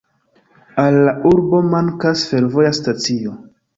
Al la urbo mankas fervoja stacio.